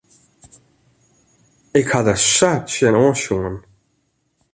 Ik ha der sa tsjinoan sjoen.